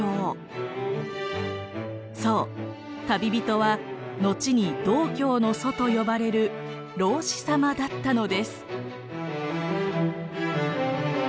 そう旅人はのちに道教の祖と呼ばれる老子様だったのです。